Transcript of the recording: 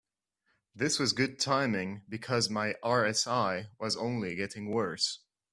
This was good timing, because my RSI was only getting worse.